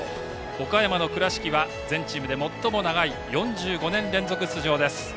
岡山の倉敷は全チームで最も長い４５年連続出場です。